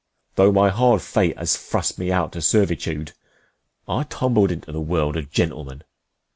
Though my hard fate has thrust me out to servitude, I tumbled into th'world a gentleman.